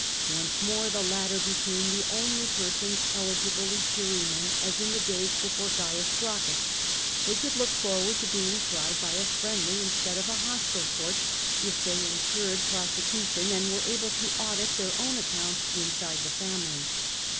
Once more the latter became the only persons eligible as jurymen, as in the days before Cains Gracchus ; they could look forward to being tried by a friendly instead of a hostile court if they in curred prosecution, and were able to audit their own accounts inside the family.